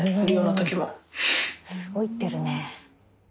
すごい行ってるね。